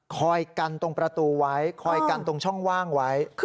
กันตรงประตูไว้คอยกันตรงช่องว่างไว้